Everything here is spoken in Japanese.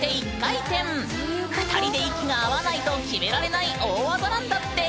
２人で息が合わないと決められない大技なんだって！